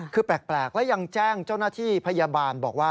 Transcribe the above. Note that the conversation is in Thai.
คือแปลกและยังแจ้งเจ้าหน้าที่พยาบาลบอกว่า